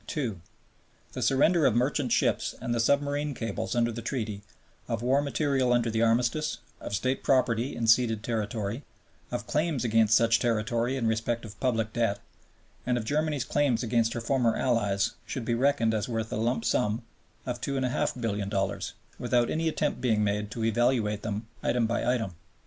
(2) The surrender of merchant ships and submarine cables under the Treaty, of war material under the Armistice, of State property in ceded territory, of claims against such territory in respect of public debt, and of Germany's claims against her former Allies, should be reckoned as worth the lump sum of $2,500,000,000, without any attempt being made to evaluate them item by item.